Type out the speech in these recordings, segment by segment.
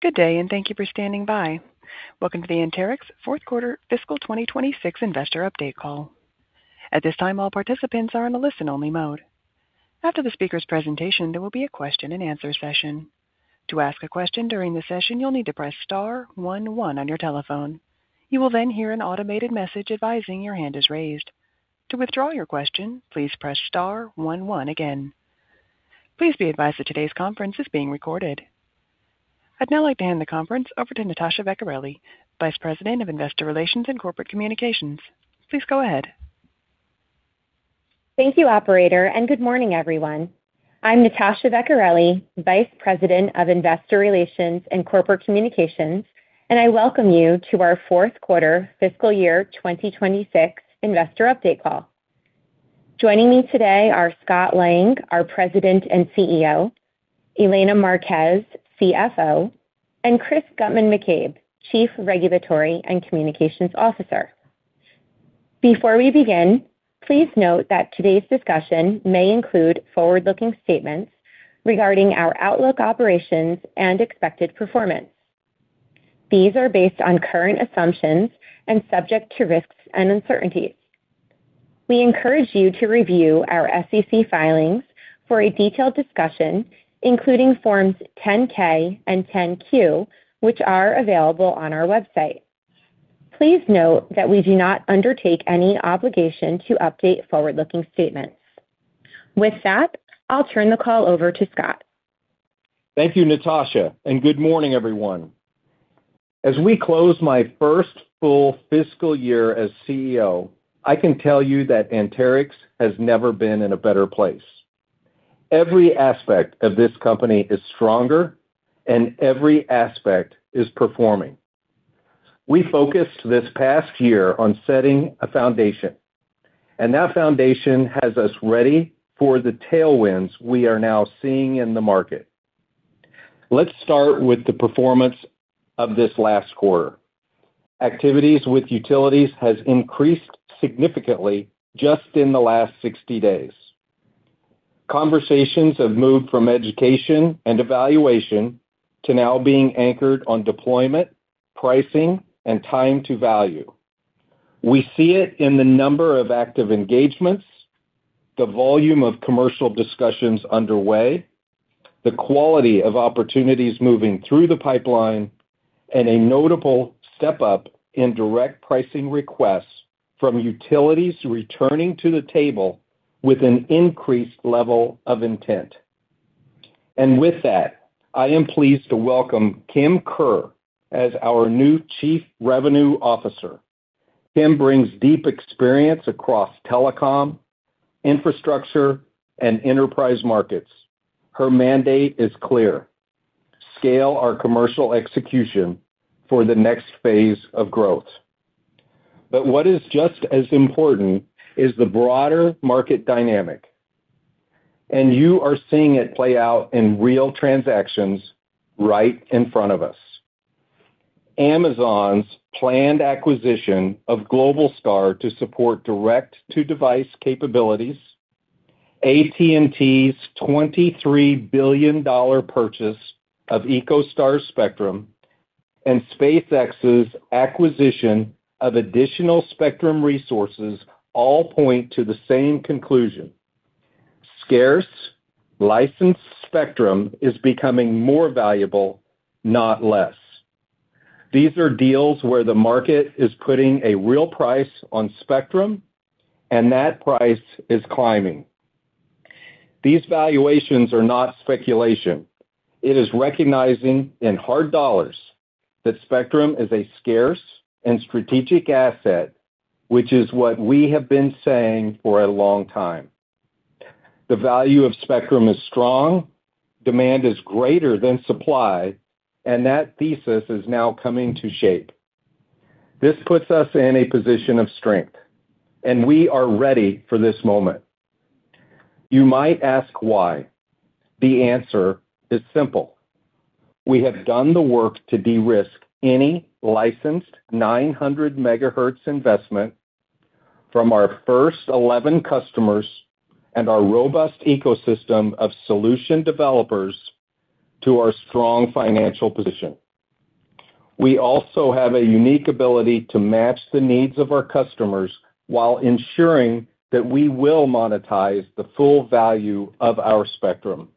Good day. Thank you for standing by. Welcome to the Anterix Fourth Quarter Fiscal 2026 Investor Update Call. At this time, all participants are in a listen-only mode. After the speaker's presentation, there will be a question-and-answer session. To ask a question during the session, you'll need to press star one one on your telephone. You will hear an automated message advising your hand is raised. To withdraw your question, please press star one one again. Please be advised that today's conference is being recorded. I'd now like to hand the conference over to Natasha Vecchiarelli, Vice President of Investor Relations and Corporate Communications. Please go ahead. Thank you, operator. Good morning, everyone. I'm Natasha Vecchiarelli, Vice President of Investor Relations and Corporate Communications. I welcome you to our fourth quarter fiscal year 2026 investor update call. Joining me today are Scott Lang, our President and CEO, Elena Marquez, CFO, and Chris Guttman-McCabe, Chief Regulatory and Communications Officer. Before we begin, please note that today's discussion may include forward-looking statements regarding our outlook, operations, and expected performance. These are based on current assumptions and subject to risks and uncertainties. We encourage you to review our SEC filings for a detailed discussion, including Forms 10-K and 10-Q, which are available on our website. Please note that we do not undertake any obligation to update forward-looking statements. With that, I'll turn the call over to Scott. Thank you, Natasha. Good morning, everyone. As we close my first full fiscal year as CEO, I can tell you that Anterix has never been in a better place. Every aspect of this company is stronger. Every aspect is performing. We focused this past year on setting a foundation. That foundation has us ready for the tailwinds we are now seeing in the market. Let's start with the performance of this last quarter. Activities with utilities has increased significantly just in the last 60 days. Conversations have moved from education and evaluation to now being anchored on deployment, pricing, and time to value. We see it in the number of active engagements, the volume of commercial discussions underway, the quality of opportunities moving through the pipeline, and a notable step-up in direct pricing requests from utilities returning to the table with an increased level of intent. With that, I am pleased to welcome Kim Kerr as our new Chief Revenue Officer. Kim brings deep experience across telecom, infrastructure, and enterprise markets. Her mandate is clear: scale our commercial execution for the next phase of growth. What is just as important is the broader market dynamic, and you are seeing it play out in real transactions right in front of us. Amazon's planned acquisition of Globalstar to support direct-to-device capabilities, AT&T's $23 billion purchase of EchoStar's spectrum, and SpaceX's acquisition of additional spectrum resources all point to the same conclusion: scarce licensed spectrum is becoming more valuable, not less. These are deals where the market is putting a real price on spectrum, and that price is climbing. These valuations are not speculation. It is recognizing in hard dollars that spectrum is a scarce and strategic asset, which is what we have been saying for a long time. The value of spectrum is strong, demand is greater than supply, and that thesis is now coming to shape. This puts us in a position of strength, and we are ready for this moment. You might ask why. The answer is simple. We have done the work to de-risk any licensed 900 MHz investment from our first 11 customers and our robust ecosystem of solution developers to our strong financial position. We also have a unique ability to match the needs of our customers while ensuring that we will monetize the full value of our spectrum.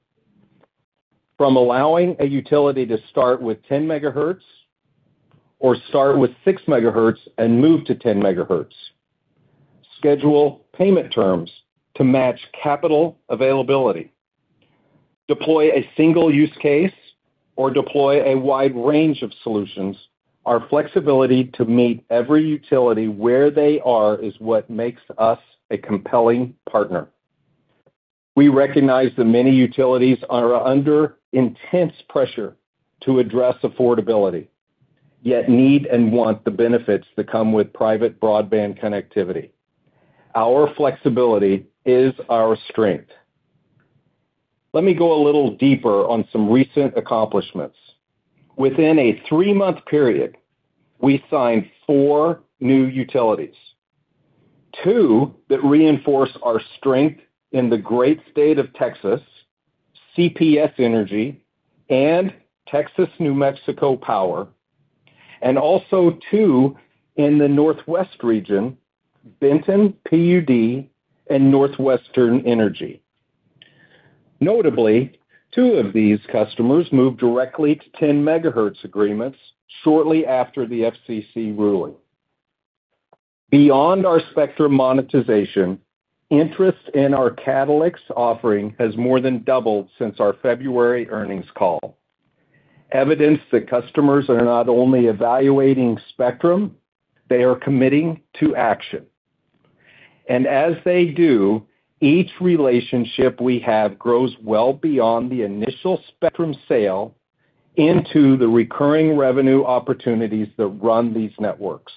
From allowing a utility to start with 10 MHz or start with 6 MHz and move to 10 MHz, schedule payment terms to match capital availability, deploy a single use case, or deploy a wide range of solutions, our flexibility to meet every utility where they are is what makes us a compelling partner. We recognize that many utilities are under intense pressure to address affordability, yet need and want the benefits that come with private broadband connectivity. Our flexibility is our strength. Let me go a little deeper on some recent accomplishments. Within a three-month period, we signed four new utilities. Two that reinforce our strength in the great state of Texas, CPS Energy and Texas-New Mexico Power, and also two in the Northwest region, Benton PUD and NorthWestern Energy. Notably, two of these customers moved directly to 10 MHz agreements shortly after the FCC ruling. Beyond our spectrum monetization, interest in our CatalyX offering has more than doubled since our February earnings call. Evidence that customers are not only evaluating spectrum, they are committing to action. As they do, each relationship we have grows well beyond the initial spectrum sale into the recurring revenue opportunities that run these networks.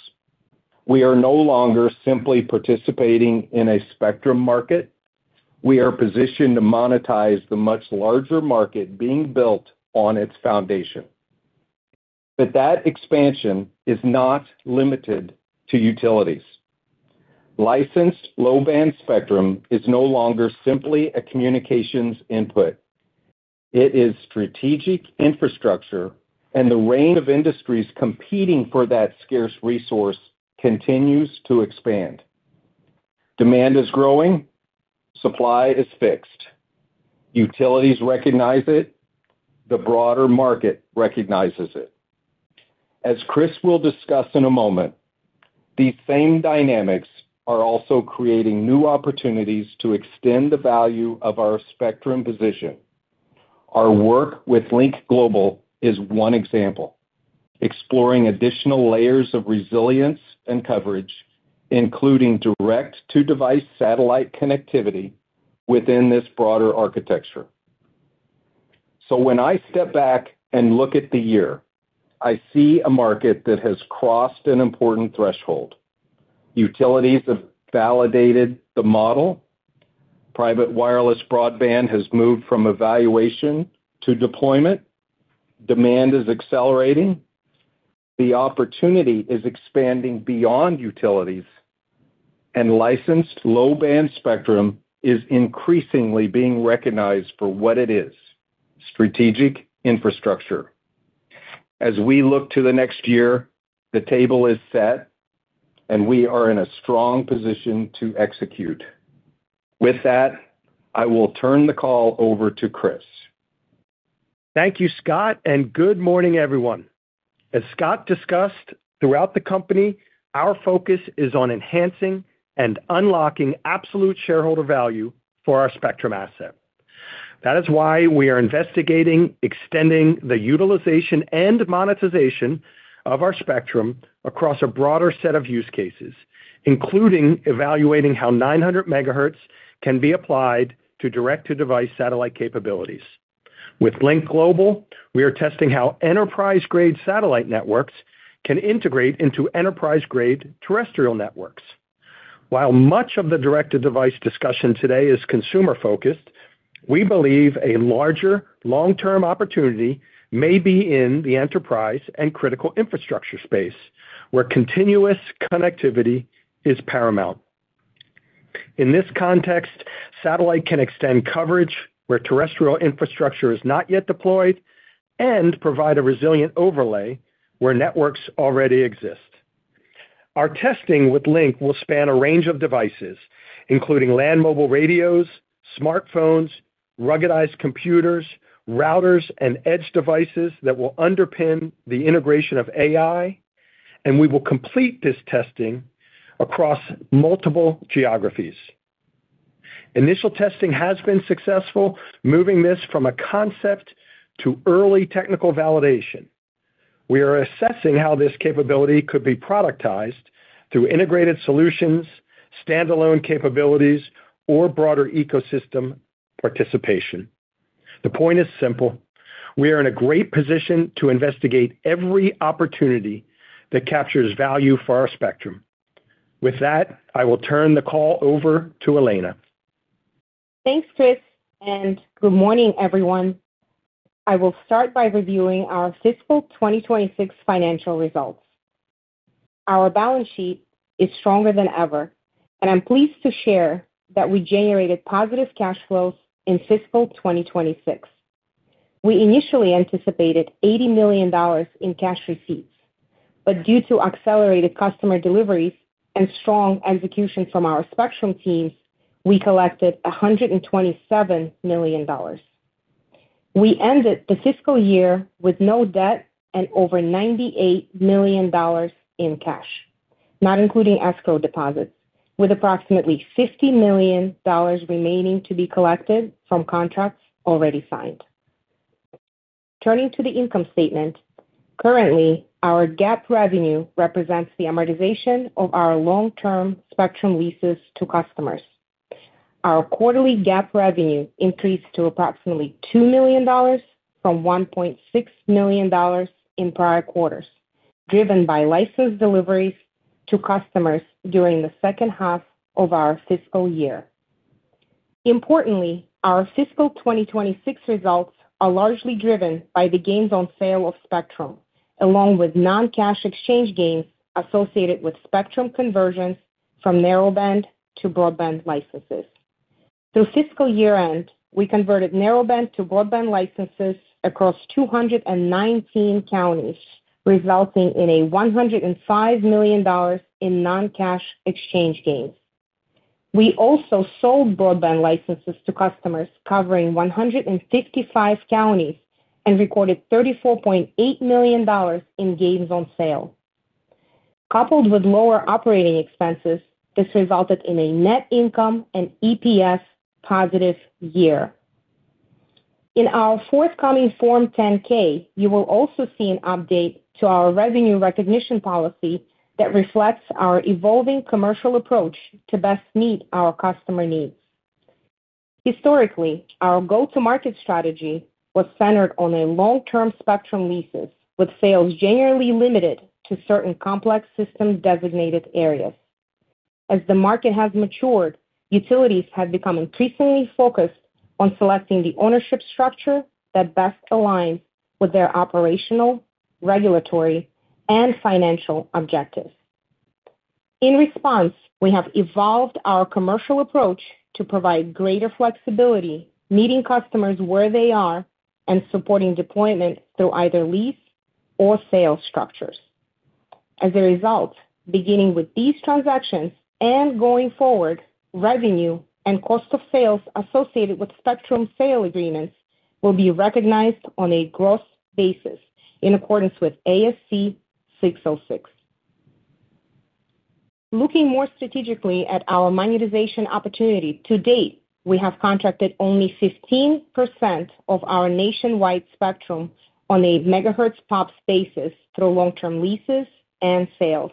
We are no longer simply participating in a spectrum market. We are positioned to monetize the much larger market being built on its foundation. That expansion is not limited to utilities. Licensed low-band spectrum is no longer simply a communications input. It is strategic infrastructure, and the range of industries competing for that scarce resource continues to expand. Demand is growing, supply is fixed. Utilities recognize it. The broader market recognizes it. As Chris will discuss in a moment, these same dynamics are also creating new opportunities to extend the value of our spectrum position. Our work with Lynk Global is one example. Exploring additional layers of resilience and coverage, including direct-to-device satellite connectivity within this broader architecture. When I step back and look at the year, I see a market that has crossed an important threshold. Utilities have validated the model. Private wireless broadband has moved from evaluation to deployment. Demand is accelerating. The opportunity is expanding beyond utilities, and licensed low-band spectrum is increasingly being recognized for what it is: strategic infrastructure. As we look to the next year, the table is set, and we are in a strong position to execute. With that, I will turn the call over to Chris. Thank you, Scott, and good morning, everyone. As Scott discussed, throughout the company, our focus is on enhancing and unlocking absolute shareholder value for our spectrum asset. That is why we are investigating extending the utilization and monetization of our spectrum across a broader set of use cases, including evaluating how 900 MHz can be applied to direct-to-device satellite capabilities. With Lynk Global, we are testing how enterprise-grade satellite networks can integrate into enterprise-grade terrestrial networks. While much of the direct-to-device discussion today is consumer-focused, we believe a larger long-term opportunity may be in the enterprise and critical infrastructure space, where continuous connectivity is paramount. In this context, satellite can extend coverage where terrestrial infrastructure is not yet deployed and provide a resilient overlay where networks already exist. Our testing with Lynk will span a range of devices, including land mobile radios, smartphones, ruggedized computers, routers, and edge devices that will underpin the integration of AI. We will complete this testing across multiple geographies. Initial testing has been successful, moving this from a concept to early technical validation. We are assessing how this capability could be productized through integrated solutions, standalone capabilities, or broader ecosystem participation. The point is simple. We are in a great position to investigate every opportunity that captures value for our spectrum. With that, I will turn the call over to Elena. Thanks, Chris, and good morning, everyone. I will start by reviewing our fiscal 2026 financial results. Our balance sheet is stronger than ever. I'm pleased to share that we generated positive cash flows in fiscal 2026. We initially anticipated $80 million in cash receipts. Due to accelerated customer deliveries and strong execution from our spectrum teams, we collected $127 million. We ended the fiscal year with no debt and over $98 million in cash, not including escrow deposits, with approximately $50 million remaining to be collected from contracts already signed. Turning to the income statement, currently, our GAAP revenue represents the amortization of our long-term spectrum leases to customers. Our quarterly GAAP revenue increased to approximately $2 million from $1.6 million in prior quarters, driven by license deliveries to customers during the second half of our fiscal year. Importantly, our fiscal 2026 results are largely driven by the gains on sale of spectrum, along with non-cash exchange gains associated with spectrum conversions from narrowband to broadband licenses. Through fiscal year-end, we converted narrowband to broadband licenses across 219 counties, resulting in a $105 million in non-cash exchange gains. We also sold broadband licenses to customers covering 155 counties and recorded $34.8 million in gains on sale. Coupled with lower operating expenses, this resulted in a net income and EPS positive year. In our forthcoming Form 10-K, you will also see an update to our revenue recognition policy that reflects our evolving commercial approach to best meet our customer needs. Historically, our go-to-market strategy was centered on long-term spectrum leases, with sales generally limited to certain complex system designated areas. As the market has matured, utilities have become increasingly focused on selecting the ownership structure that best aligns with their operational, regulatory, and financial objectives. In response, we have evolved our commercial approach to provide greater flexibility, meeting customers where they are, and supporting deployment through either lease or sale structures. As a result, beginning with these transactions and going forward, revenue and cost of sales associated with spectrum sale agreements will be recognized on a gross basis in accordance with ASC 606. Looking more strategically at our monetization opportunity, to date, we have contracted only 15% of our nationwide spectrum on a megahertz-pop basis through long-term leases and sales.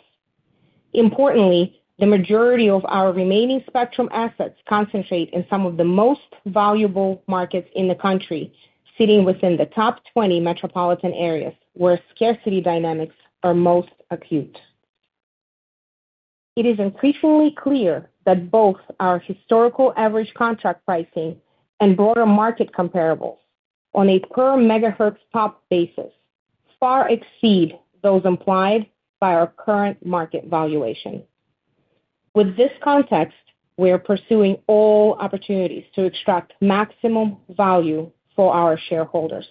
Importantly, the majority of our remaining spectrum assets concentrate in some of the most valuable markets in the country, sitting within the top 20 metropolitan areas where scarcity dynamics are most acute. It is increasingly clear that both our historical average contract pricing and broader market comparables on a per megahertz pop basis far exceed those implied by our current market valuation. With this context, we are pursuing all opportunities to extract maximum value for our shareholders.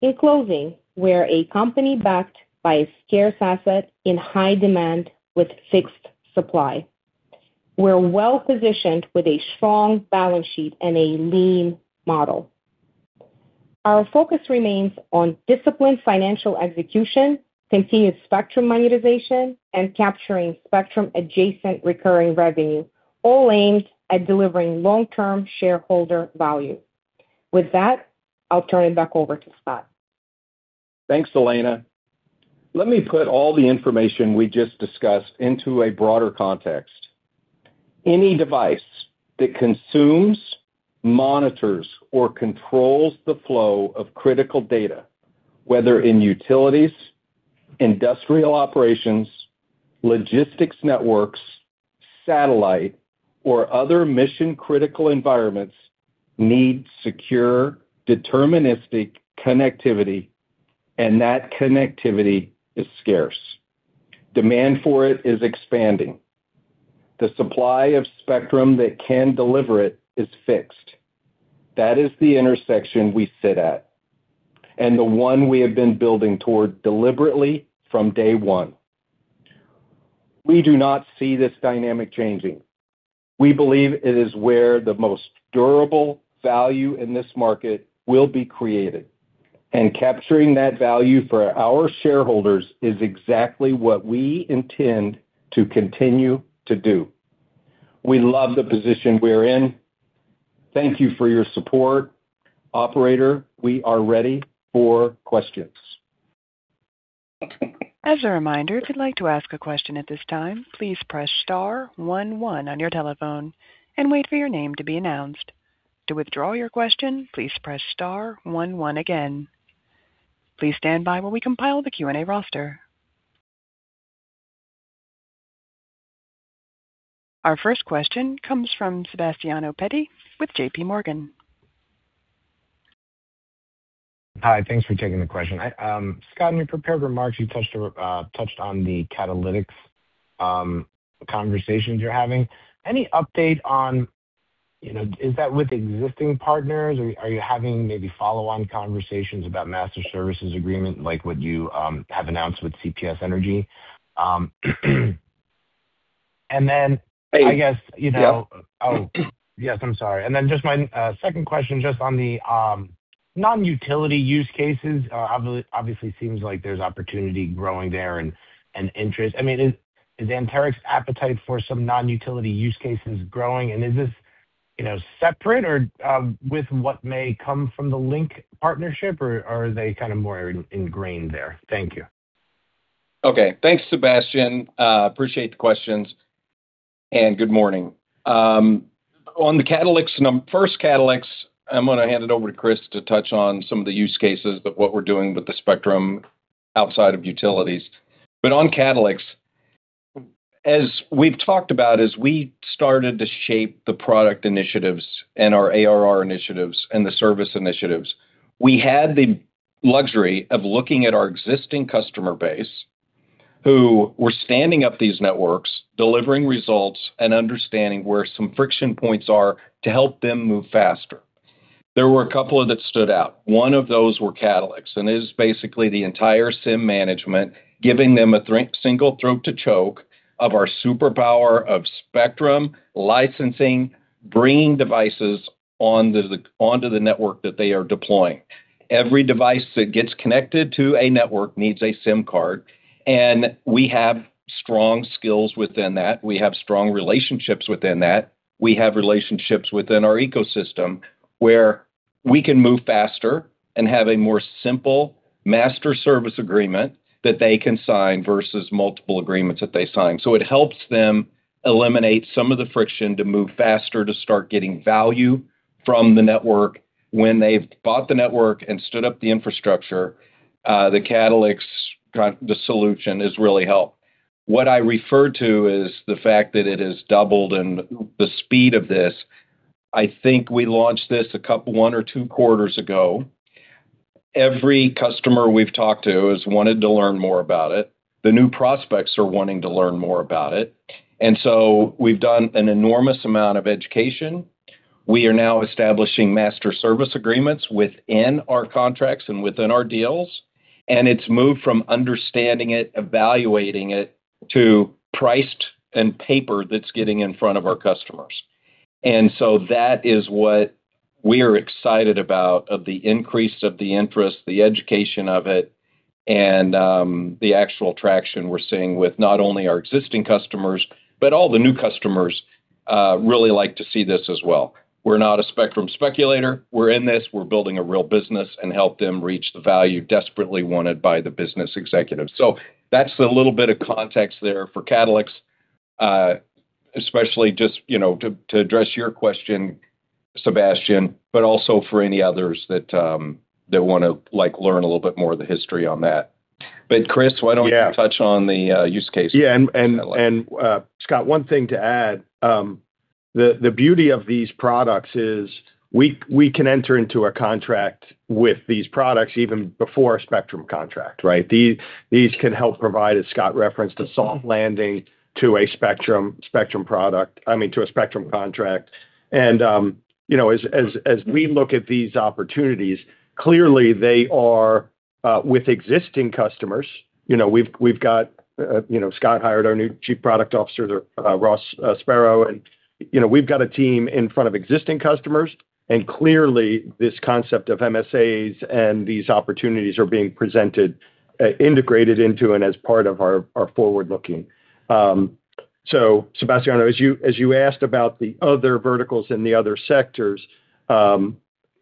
In closing, we're a company backed by a scarce asset in high demand with fixed supply. We're well-positioned with a strong balance sheet and a lean model. Our focus remains on disciplined financial execution, continued spectrum monetization, and capturing spectrum-adjacent recurring revenue, all aimed at delivering long-term shareholder value. With that, I'll turn it back over to Scott. Thanks, Elena. Let me put all the information we just discussed into a broader context. Any device that consumes, monitors, or controls the flow of critical data, whether in utilities, industrial operations, logistics networks, satellite, or other mission-critical environments, needs secure, deterministic connectivity, and that connectivity is scarce. Demand for it is expanding. The supply of spectrum that can deliver it is fixed. That is the intersection we sit at, and the one we have been building toward deliberately from day one. We do not see this dynamic changing. We believe it is where the most durable value in this market will be created, and capturing that value for our shareholders is exactly what we intend to continue to do. We love the position we're in. Thank you for your support. Operator, we are ready for questions. As a reminder, if you'd like to ask a question at this time, please press star one one on your telephone and wait for your name to be announced. To withdraw your question, please press star one one again. Please stand by while we compile the Q&A roster. Our first question comes from Sebastiano Petti with JPMorgan. Hi. Thanks for taking the question. Scott, in your prepared remarks, you touched on the CatalyX conversations you're having. Any update on, is that with existing partners? Are you having maybe follow-on conversations about master services agreement, like what you have announced with CPS Energy? Hey, yeah I guess, oh, yes, I'm sorry. Just my second question, just on the non-utility use cases, obviously seems like there's opportunity growing there and interest. Is Anterix appetite for some non-utility use cases growing, and is this separate or with what may come from the Lynk partnership, or are they more ingrained there? Thank you. Okay. Thanks, Sebastiano. Appreciate the questions, and good morning. On the CatalyX, first CatalyX, I'm going to hand it over to Chris to touch on some of the use cases, but what we're doing with the spectrum outside of utilities. On CatalyX, as we've talked about, as we started to shape the product initiatives and our ARR initiatives and the service initiatives, we had the luxury of looking at our existing customer base, who were standing up these networks, delivering results, and understanding where some friction points are to help them move faster. There were a couple that stood out. One of those were CatalyX, and it is basically the entire SIM management giving them a single throat to choke of our superpower of spectrum licensing, bringing devices onto the network that they are deploying. Every device that gets connected to a network needs a SIM card. We have strong skills within that. We have strong relationships within that. We have relationships within our ecosystem where we can move faster and have a more simple master service agreement that they can sign versus multiple agreements that they sign. It helps them eliminate some of the friction to move faster to start getting value from the network. When they've bought the network and stood up the infrastructure, the CatalyX, the solution, has really helped. What I refer to is the fact that it has doubled and the speed of this, I think we launched this one or two quarters ago. Every customer we've talked to has wanted to learn more about it. The new prospects are wanting to learn more about it. We've done an enormous amount of education. We are now establishing master service agreements within our contracts and within our deals. It's moved from understanding it, evaluating it, to priced and paper that's getting in front of our customers. That is what we are excited about, of the increase of the interest, the education of it, and the actual traction we're seeing with not only our existing customers, but all the new customers really like to see this as well. We're not a spectrum speculator. We're in this. We're building a real business and help them reach the value desperately wanted by the business executives. That's the little bit of context there for CatalyX, especially just to address your question, Sebastiano, but also for any others that want to learn a little bit more of the history on that. Chris, why don't you- Yeah touch on the use case? Yeah. Scott, one thing to add, the beauty of these products is we can enter into a contract with these products even before a spectrum contract, right? These can help provide, as Scott referenced, a soft landing to a spectrum product. I mean, to a spectrum contract. As we look at these opportunities, clearly they are with existing customers. Scott hired our new Chief Product Officer, Ross Spero, and we've got a team in front of existing customers, and clearly this concept of MSAs and these opportunities are being presented, integrated into and as part of our forward-looking. Sebastiano, as you asked about the other verticals and the other sectors, I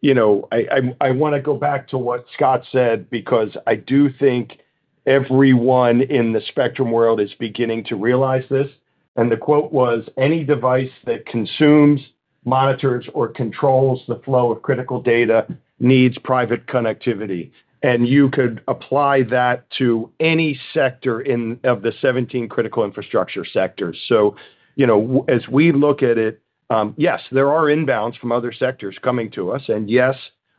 want to go back to what Scott said because I do think everyone in the spectrum world is beginning to realize this, and the quote was, Any device that consumes, monitors, or controls the flow of critical data needs private connectivity. You could apply that to any sector of the 17 critical infrastructure sectors. As we look at it, yes, there are inbounds from other sectors coming to us, and yes,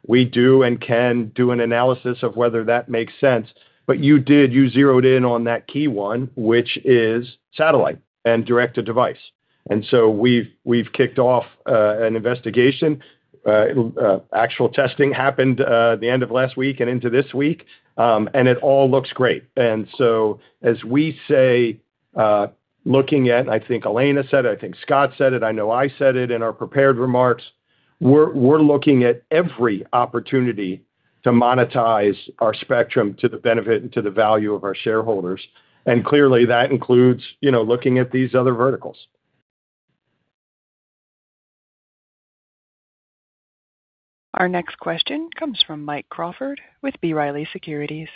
we do and can do an analysis of whether that makes sense. You did, you zeroed in on that key one, which is satellite and direct-to-device. We've kicked off an investigation. Actual testing happened the end of last week and into this week. It all looks great. As we say, looking at, I think Elena said it, I think Scott said it, I know I said it in our prepared remarks, we're looking at every opportunity to monetize our spectrum to the benefit and to the value of our shareholders. Clearly, that includes looking at these other verticals. Our next question comes from Mike Crawford with B. Riley Securities.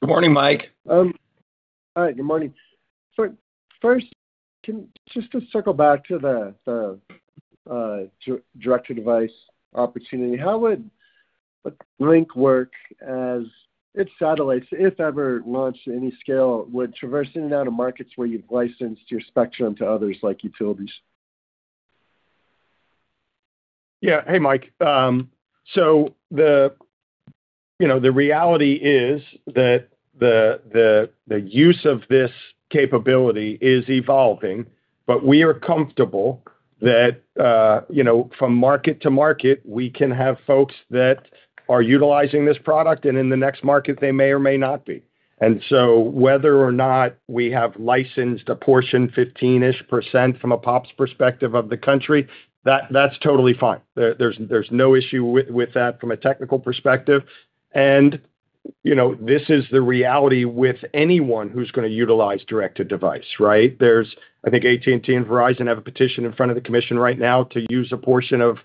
Good morning, Mike. Hi, good morning. First, just to circle back to the directed device opportunity, how would a Lynk work as, if satellites, if ever launched at any scale, would traverse in and out of markets where you've licensed your spectrum to others, like utilities? Yeah. Hey, Mike. The reality is that the use of this capability is evolving, we are comfortable that from market-to-market, we can have folks that are utilizing this product, in the next market, they may or may not be. Whether or not we have licensed a portion, 15%-ish from a POPs perspective of the country, that's totally fine. There's no issue with that from a technical perspective. This is the reality with anyone who's going to utilize directed device, right? I think AT&T and Verizon have a petition in front of the commission right now to use a portion of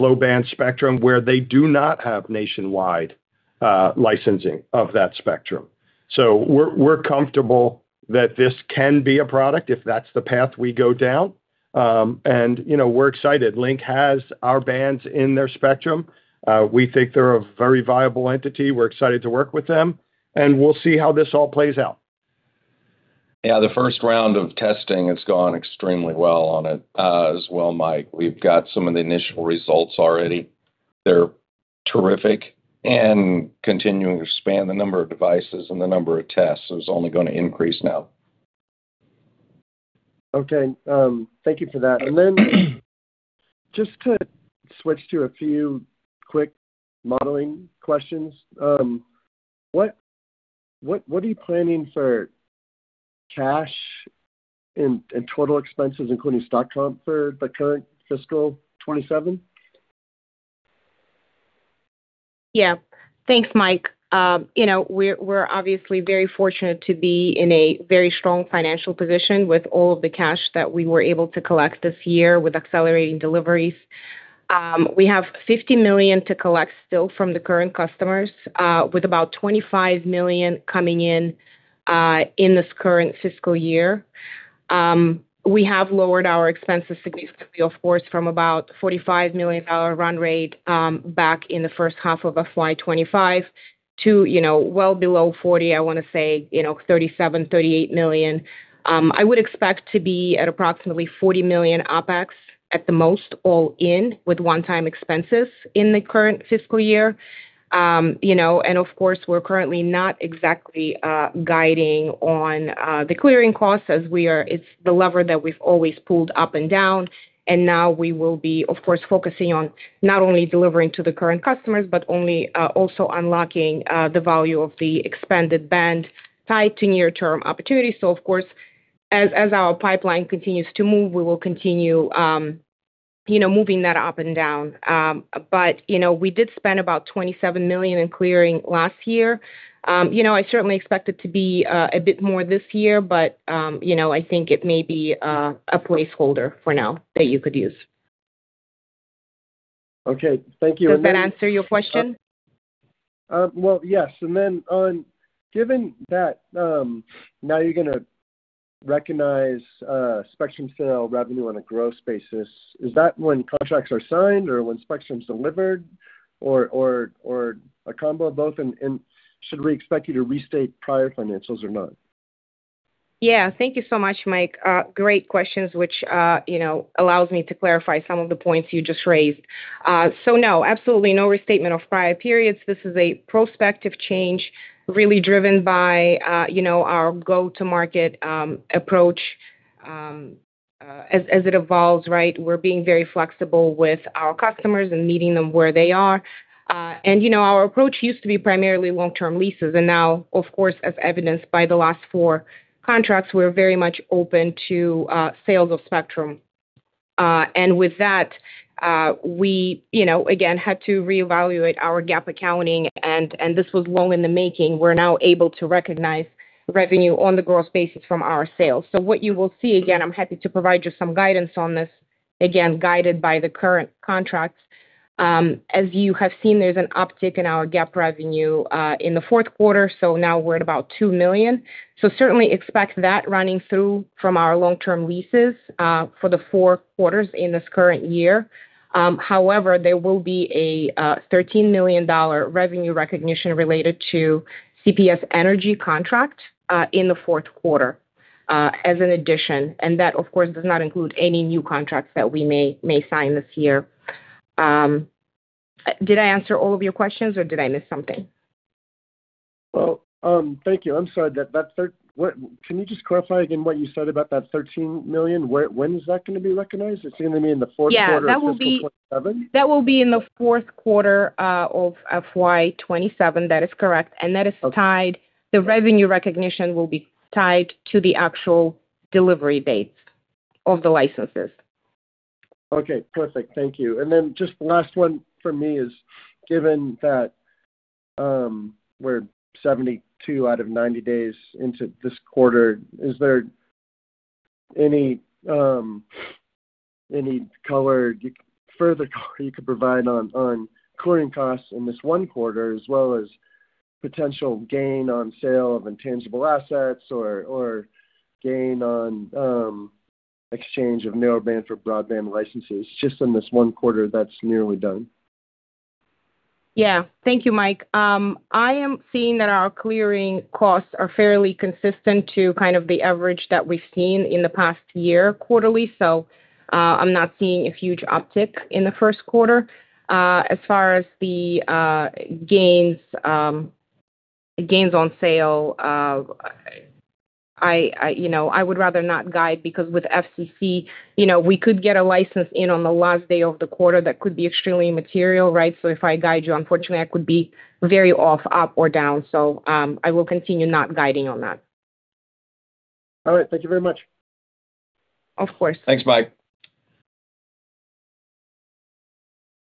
low-band spectrum where they do not have nationwide licensing of that spectrum. We're comfortable that this can be a product if that's the path we go down. We're excited. Lynk has our bands in their spectrum. We think they're a very viable entity. We're excited to work with them, we'll see how this all plays out. Yeah. The first round of testing has gone extremely well on it as well, Mike. We've got some of the initial results already. They're terrific continuing to expand the number of devices and the number of tests is only going to increase now. Okay. Thank you for that. Just to switch to a few quick modeling questions. What are you planning for cash and total expenses, including stock comp, for the current fiscal 2027? Yeah. Thanks, Mike. We're obviously very fortunate to be in a very strong financial position with all of the cash that we were able to collect this year with accelerating deliveries. We have $50 million to collect still from the current customers, with about $25 million coming in in this current fiscal year. We have lowered our expenses significantly, of course, from about $45 million run rate back in the first half of FY 2025 to well below 40, I want to say, $37 million, $38 million. I would expect to be at approximately $40 million OpEx at the most all-in with one-time expenses in the current fiscal year. Of course, we're currently not exactly guiding on the clearing costs as it's the lever that we've always pulled up and down. Now we will be, of course, focusing on not only delivering to the current customers, but only also unlocking the value of the expanded band tied to near-term opportunities. Of course, as our pipeline continues to move, we will continue moving that up and down. We did spend about $27 million in clearing last year. I certainly expect it to be a bit more this year, but I think it may be a placeholder for now that you could use. Okay. Thank you. Does that answer your question? Well, yes. Given that now you're going to recognize spectrum sale revenue on a gross basis, is that when contracts are signed or when spectrum's delivered or a combo of both? Should we expect you to restate prior financials or not? Thank you so much, Mike. Great questions, which allows me to clarify some of the points you just raised. No, absolutely no restatement of prior periods. This is a prospective change really driven by our go-to-market approach as it evolves, right? We're being very flexible with our customers and meeting them where they are. Our approach used to be primarily long-term leases, now, of course, as evidenced by the last four contracts, we're very much open to sales of spectrum. With that, we, again, had to reevaluate our GAAP accounting, this was long in the making. We're now able to recognize revenue on the gross basis from our sales. What you will see, again, I'm happy to provide you some guidance on this, again, guided by the current contracts. As you have seen, there's an uptick in our GAAP revenue in the fourth quarter, now we're at about $2 million. Certainly expect that running through from our long-term leases for the four quarters in this current year. However, there will be a $13 million revenue recognition related to CPS Energy contract in the fourth quarter as an addition, that, of course, does not include any new contracts that we may sign this year. Did I answer all of your questions or did I miss something? Well, thank you. I'm sorry. Can you just clarify again what you said about that $13 million? When is that going to be recognized? It's going to be in the fourth quarter- Yeah of fiscal 2027? That will be in the fourth quarter of FY 2027. That is correct. The revenue recognition will be tied to the actual delivery dates of the licenses. Okay. Perfect. Thank you. Just the last one from me is, given that we're 72 out of 90 days into this quarter, is there any further color you could provide on clearing costs in this one quarter as well as potential gain on sale of intangible assets or gain on exchange of narrowband for broadband licenses just in this one quarter that's nearly done? Yeah. Thank you, Mike. I am seeing that our clearing costs are fairly consistent to kind of the average that we've seen in the past year quarterly. I'm not seeing a huge uptick in the first quarter. As far as the gains on sale, I would rather not guide because with FCC, we could get a license in on the last day of the quarter that could be extremely material. If I guide you, unfortunately, I could be very off, up or down. I will continue not guiding on that. All right. Thank you very much. Of course. Thanks, Mike.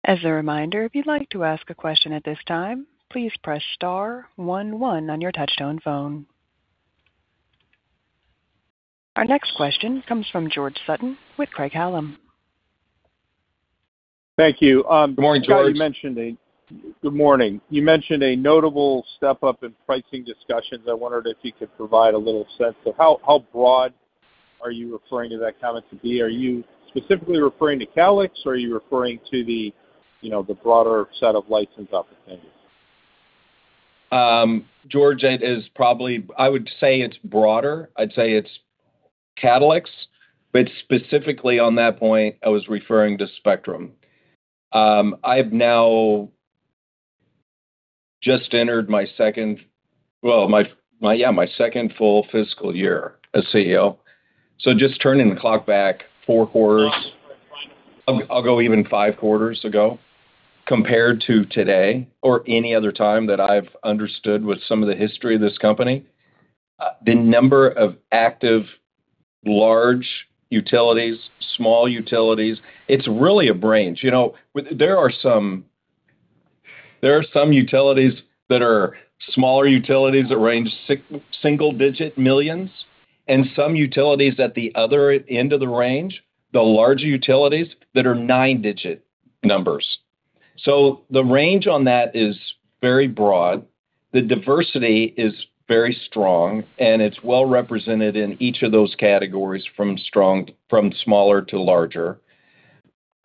As a reminder, if you'd like to ask a question at this time, please press star one one on your touchtone phone. Our next question comes from George Sutton with Craig-Hallum. Thank you. Good morning, George. Good morning. You mentioned a notable step-up in pricing discussions. I wondered if you could provide a little sense of how broad are you referring to that comment to be? Are you specifically referring to CatalyX, or are you referring to the broader set of license opportunities? George, I would say it's broader. I'd say it's CatalyX, but specifically on that point, I was referring to spectrum. I've now just entered my second full fiscal year as CEO. Just turning the clock back four quarters, I'll go even five quarters ago, compared to today or any other time that I've understood with some of the history of this company, the number of active large utilities, small utilities, it's really a range. There are some utilities that are smaller utilities that range single-digit millions and some utilities at the other end of the range, the larger utilities, that are nine-digit numbers. The range on that is very broad. The diversity is very strong, and it's well-represented in each of those categories from smaller to larger.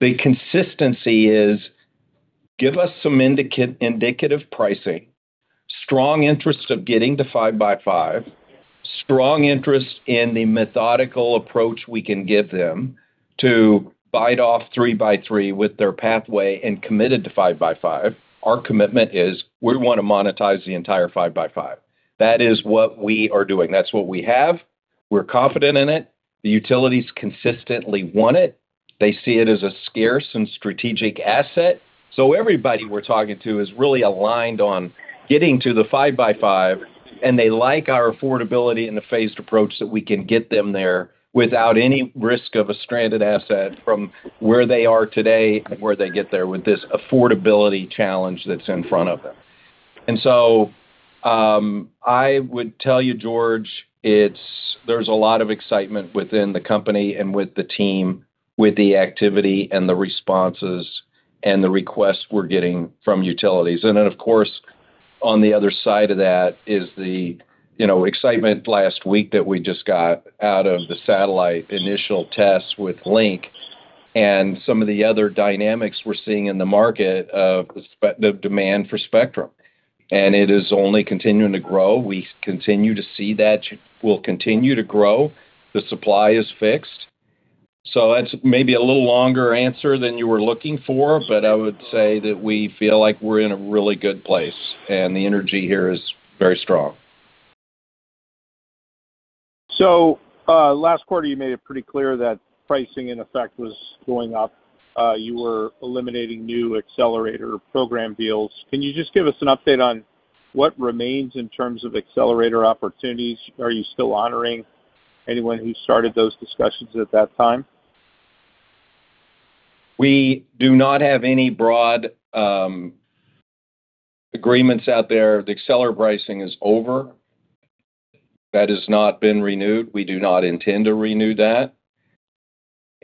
The consistency is give us some indicative pricing, strong interest of getting to 5x5, strong interest in the methodical approach we can give them to bite off 3 by 3 with their pathway and committed to 5x5. Our commitment is we want to monetize the entire 5x5. That is what we are doing. That's what we have. We're confident in it. The utilities consistently want it. They see it as a scarce and strategic asset. Everybody we're talking to is really aligned on getting to the 5x5, and they like our affordability and the phased approach that we can get them there without any risk of a stranded asset from where they are today and where they get there with this affordability challenge that's in front of them. I would tell you, George, there's a lot of excitement within the company and with the team, with the activity and the responses and the requests we're getting from utilities. Of course, on the other side of that is the excitement last week that we just got out of the satellite initial tests with Lynk and some of the other dynamics we're seeing in the market of the demand for spectrum. It is only continuing to grow. We continue to see that will continue to grow. The supply is fixed. That's maybe a little longer answer than you were looking for, but I would say that we feel like we're in a really good place, and the energy here is very strong. Last quarter, you made it pretty clear that pricing in effect was going up. You were eliminating new accelerator program deals. Can you just give us an update on what remains in terms of accelerator opportunities? Are you still honoring anyone who started those discussions at that time? We do not have any broad agreements out there. The accelerator pricing is over. That has not been renewed. We do not intend to renew that.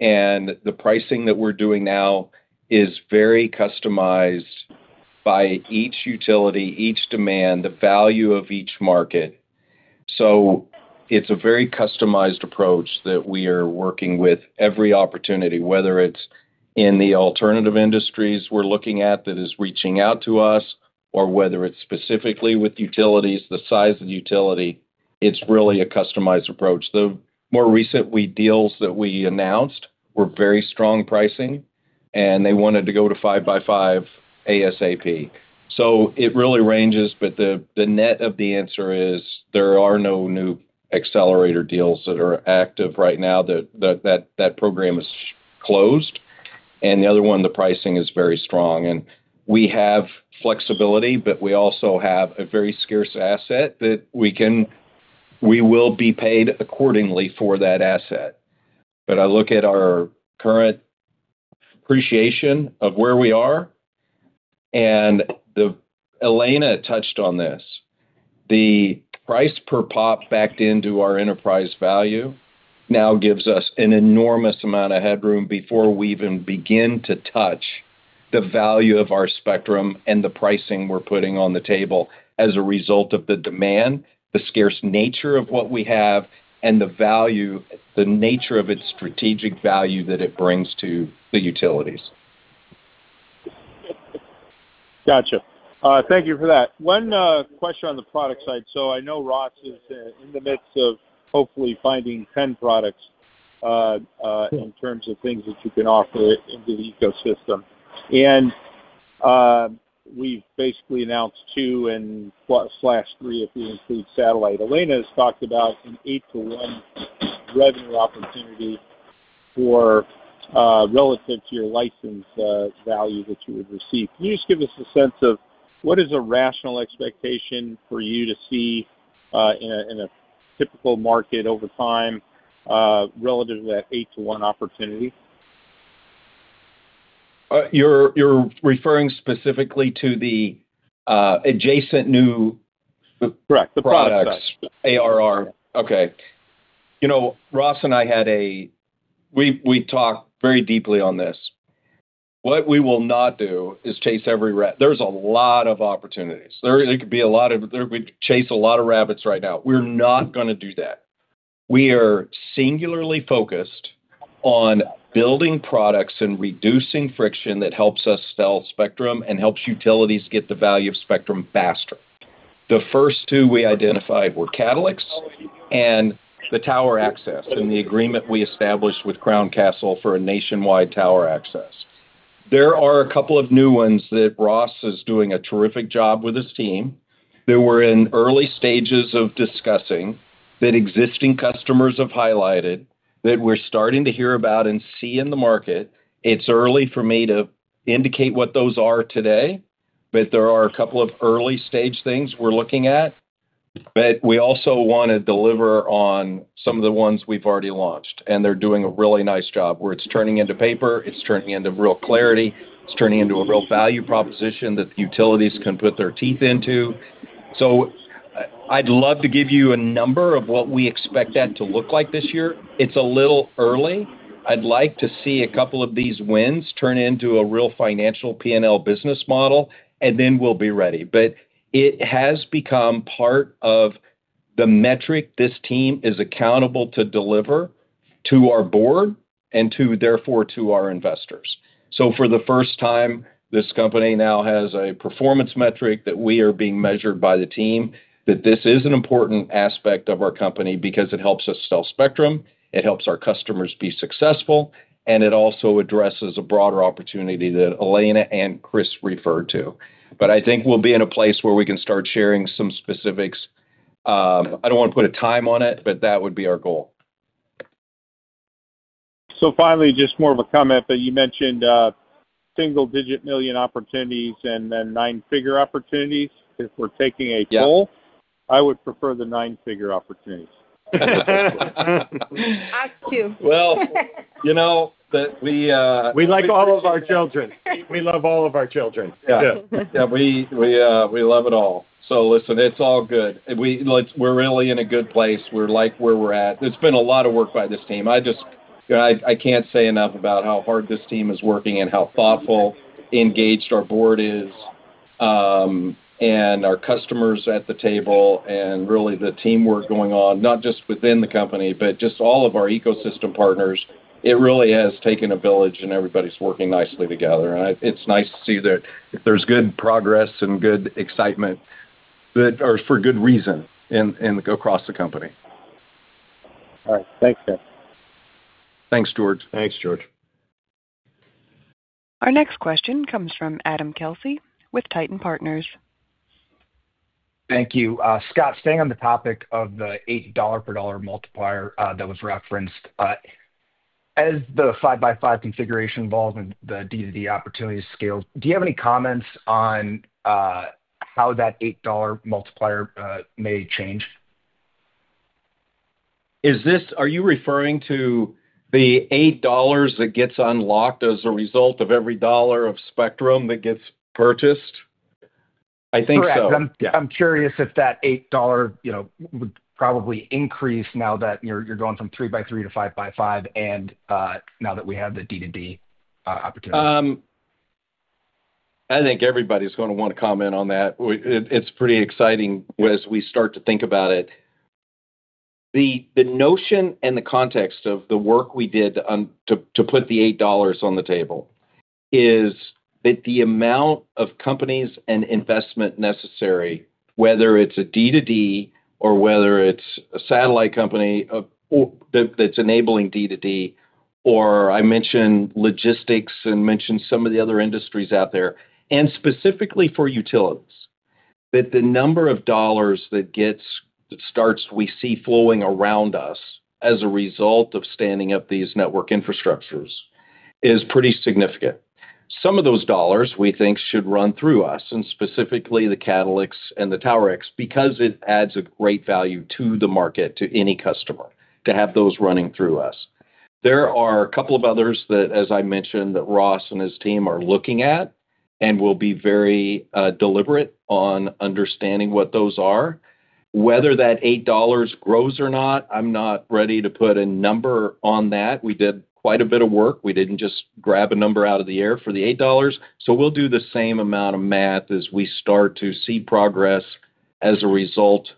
The pricing that we're doing now is very customized by each utility, each demand, the value of each market. It's a very customized approach that we are working with every opportunity, whether it's in the alternative industries we're looking at that is reaching out to us or whether it's specifically with utilities, the size of the utility, it's really a customized approach. The more recent deals that we announced were very strong pricing, and they wanted to go to 5x5 ASAP. It really ranges, but the net of the answer is there are no new accelerator deals that are active right now. That program is closed, and the other one, the pricing is very strong. We have flexibility, but we also have a very scarce asset that we will be paid accordingly for that asset. I look at our current appreciation of where we are, and Elena touched on this. The price per POP backed into our enterprise value now gives us an enormous amount of headroom before we even begin to touch the value of our spectrum and the pricing we're putting on the table as a result of the demand, the scarce nature of what we have, and the nature of its strategic value that it brings to the utilities. Got you. Thank you for that. One question on the product side. I know Ross is in the midst of hopefully finding 10 products in terms of things that you can offer into the ecosystem. We've basically announced two and slash three, if we include satellite. Elena has talked about an 8-1 revenue opportunity for relative to your license value that you would receive. Can you just give us a sense of what is a rational expectation for you to see in a typical market over time, relative to that 8-1 opportunity? You're referring specifically to the adjacent new- Correct. The product products, ARR. Okay. Ross and I, we talked very deeply on this. What we will not do is chase every rabbit. There's a lot of opportunities. We could chase a lot of rabbits right now. We're not going to do that. We are singularly focused on building products and reducing friction that helps us sell spectrum and helps utilities get the value of spectrum faster. The first two we identified were CatalyX and the tower access, and the agreement we established with Crown Castle for a nationwide tower access. There are a couple of new ones that Ross is doing a terrific job with his team, that we're in early stages of discussing, that existing customers have highlighted, that we're starting to hear about and see in the market. It's early for me to indicate what those are today. There are a couple of early-stage things we're looking at. We also want to deliver on some of the ones we've already launched, and they're doing a really nice job, where it's turning into paper, it's turning into real clarity, it's turning into a real value proposition that the utilities can put their teeth into. I'd love to give you a number of what we expect that to look like this year. It's a little early. I'd like to see a couple of these wins turn into a real financial P&L business model, and then we'll be ready. It has become part of the metric this team is accountable to deliver to our board and therefore, to our investors. For the first time, this company now has a performance metric that we are being measured by the team, that this is an important aspect of our company because it helps us sell spectrum, it helps our customers be successful, and it also addresses a broader opportunity that Elena and Chris referred to. I think we'll be in a place where we can start sharing some specifics. I don't want to put a time on it. That would be our goal. Finally, just more of a comment, but you mentioned single-digit million opportunities and then nine-figure opportunities. If we're taking a poll. Yeah I would prefer the nine-figure opportunities. Us too. Well. We like all of our children. We love all of our children. Yeah. Yeah. We love it all. Listen, it's all good. We're really in a good place. We like where we're at. It's been a lot of work by this team. I can't say enough about how hard this team is working and how thoughtful, engaged our board is, and our customers at the table, and really the teamwork going on, not just within the company, but just all of our ecosystem partners. It really has taken a village and everybody's working nicely together, and it's nice to see that there's good progress and good excitement for good reason, and across the company. All right. Thanks, guys. Thanks, George. Thanks, George. Our next question comes from Adam Kelsey with Titan Partners. Thank you. Scott, staying on the topic of the $8 per dollar multiplier that was referenced. As the 5x5 configuration evolves and the D2D opportunity scales, do you have any comments on how that $8 multiplier may change? Are you referring to the $8 that gets unlocked as a result of every dollar of spectrum that gets purchased? I think so. Correct. Yeah. I'm curious if that $8 would probably increase now that you're going from 3x3 to 5x5 and now that we have the D2D opportunity. I think everybody's going to want to comment on that. It's pretty exciting as we start to think about it. The notion and the context of the work we did to put the $8 on the table is that the amount of companies and investment necessary, whether it's a D2D or whether it's a satellite company that's enabling D2D, or I mentioned logistics and mentioned some of the other industries out there, and specifically for utilities, that the number of dollars that we see flowing around us as a result of standing up these network infrastructures is pretty significant. Some of those dollars we think should run through us, and specifically the CatalyX and the TowerX, because it adds a great value to the market, to any customer, to have those running through us. There are a couple of others that, as I mentioned, that Ross and his team are looking at and will be very deliberate on understanding what those are. Whether that $8 grows or not, I'm not ready to put a number on that. We did quite a bit of work. We didn't just grab a number out of the air for the $8. We'll do the same amount of math as we start to see progress as a result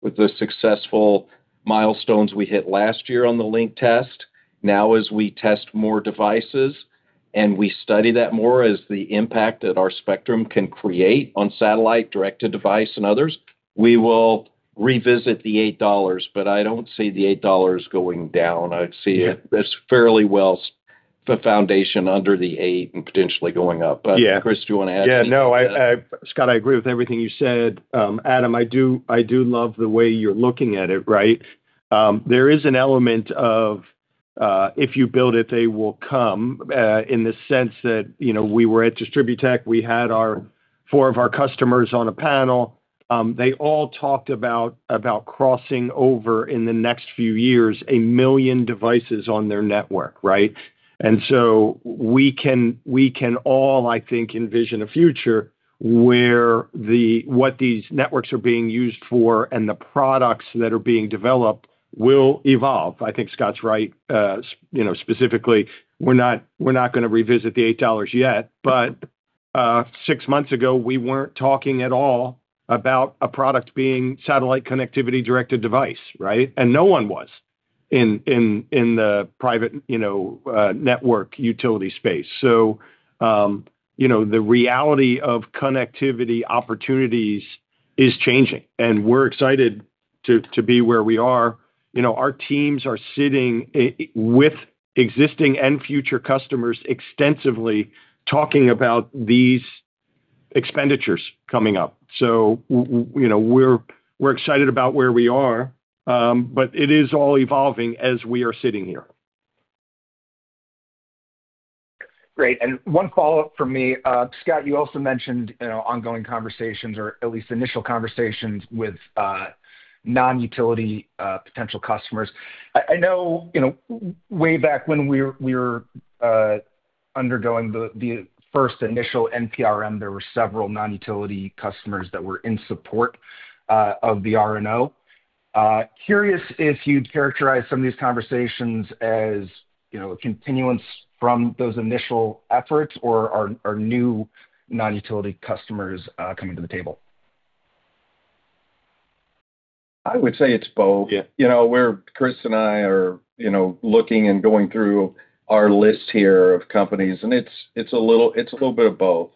with the successful milestones we hit last year on the Lynk test. Now, as we test more devices and we study that more as the impact that our spectrum can create on satellite direct-to-device and others, we will revisit the $8. I don't see the $8 going down. I see it as fairly well the foundation under the 8 and potentially going up. Yeah. Chris, do you want to add anything to that? Scott, I agree with everything you said. Adam, I do love the way you're looking at it, right? There is an element of if you build it, they will come, in the sense that we were at DISTRIBUTECH, we had our four of our customers on a panel. They all talked about crossing over in the next few years, 1 million devices on their network. We can all, I think, envision a future where what these networks are being used for and the products that are being developed will evolve. I think Scott's right, specifically, we're not going to revisit the $8 yet, but six months ago, we weren't talking at all about a product being satellite connectivity-directed device. No one was in the private network utility space. The reality of connectivity opportunities is changing, and we're excited to be where we are. Our teams are sitting with existing and future customers extensively talking about these expenditures coming up. We're excited about where we are, it is all evolving as we are sitting here. Great. One follow-up from me. Scott, you also mentioned ongoing conversations or at least initial conversations with non-utility potential customers. I know way back when we were undergoing the first initial NPRM, there were several non-utility customers that were in support of the R&O. Curious if you'd characterize some of these conversations as a continuance from those initial efforts, or are new non-utility customers coming to the table? I would say it's both. Yeah. Chris and I are looking and going through our list here of companies, and it's a little bit of both.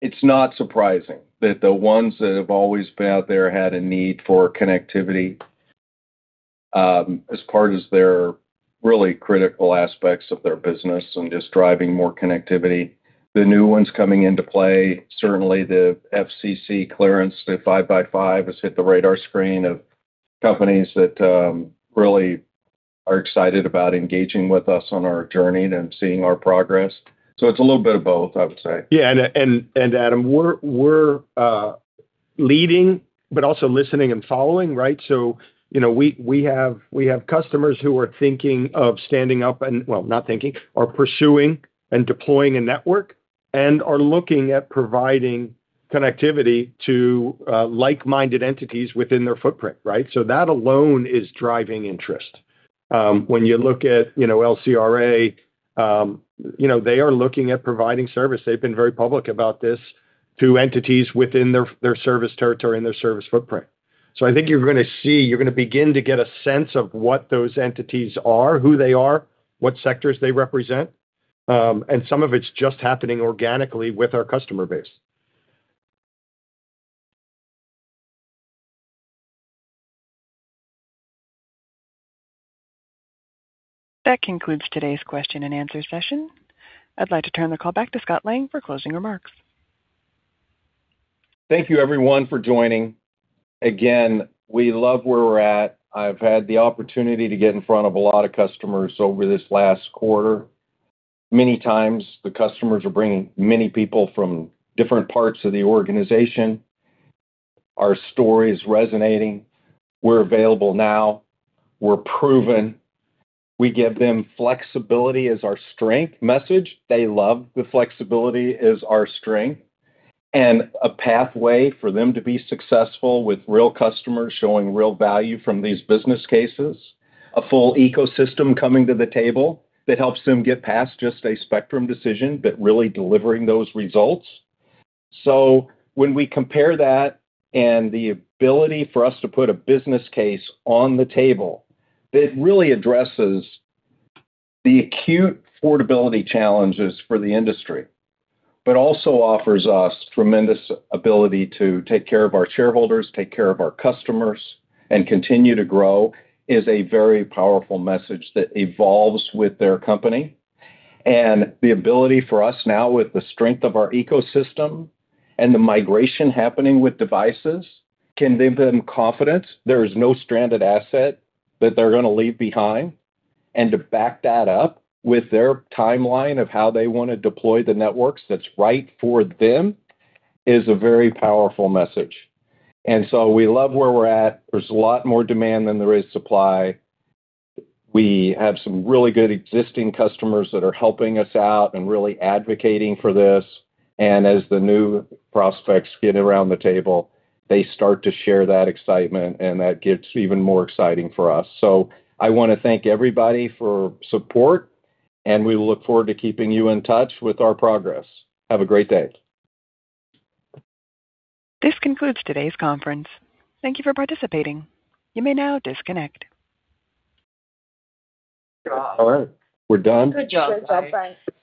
It's not surprising that the ones that have always been out there had a need for connectivity as part of their really critical aspects of their business and just driving more connectivity. The new ones coming into play, certainly the FCC clearance, the 5x5 has hit the radar screen of companies that really are excited about engaging with us on our journey and seeing our progress. It's a little bit of both, I would say. Yeah. Adam, we're leading, but also listening and following, right? We have customers who are pursuing and deploying a network, and are looking at providing connectivity to like-minded entities within their footprint, right? That alone is driving interest. When you look at LCRA, they are looking at providing service, they've been very public about this, to entities within their service territory and their service footprint. I think you're going to see, you're going to begin to get a sense of what those entities are, who they are, what sectors they represent. Some of it's just happening organically with our customer base. That concludes today's question-and-answer session. I'd like to turn the call back to Scott Lang for closing remarks. Thank you everyone for joining. We love where we're at. I've had the opportunity to get in front of a lot of customers over this last quarter. Many times, the customers are bringing many people from different parts of the organization. Our story is resonating. We're available now. We're proven. We give them flexibility as our strength message. They love the flexibility as our strength, and a pathway for them to be successful with real customers showing real value from these business cases, a full ecosystem coming to the table that helps them get past just a spectrum decision, but really delivering those results. When we compare that and the ability for us to put a business case on the table that really addresses the acute affordability challenges for the industry, but also offers us tremendous ability to take care of our shareholders, take care of our customers, and continue to grow, is a very powerful message that evolves with their company. The ability for us now, with the strength of our ecosystem and the migration happening with devices, can give them confidence there is no stranded asset that they're going to leave behind. To back that up with their timeline of how they want to deploy the networks that's right for them is a very powerful message. We love where we're at. There's a lot more demand than there is supply. We have some really good existing customers that are helping us out and really advocating for this. As the new prospects get around the table, they start to share that excitement, and that gets even more exciting for us. I want to thank everybody for support, and we look forward to keeping you in touch with our progress. Have a great day. This concludes today's conference. Thank you for participating. You may now disconnect. All right. We're done? Good job. Good job, guys.